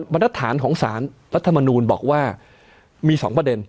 บรรทัศน์ของสารรัฐมนูลบอกว่ามี๒ประเด็น